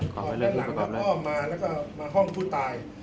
ก่อนด้านหลังพ่อมาแล้วก็มาห้องผู้ตาย